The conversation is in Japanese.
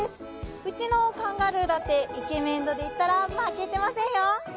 ウチのカンガルーだってイケメン度でいったら負けてませんよ